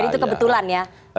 jadi itu kebetulan ya